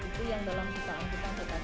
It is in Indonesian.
itu yang dalam sukan sukan sukan sukan ini